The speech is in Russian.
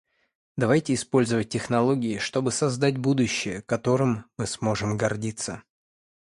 Давайте использовать технологии, чтобы создать будущее, которым мы сможем гордиться.